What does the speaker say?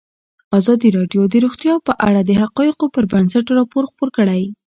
ازادي راډیو د روغتیا په اړه د حقایقو پر بنسټ راپور خپور کړی.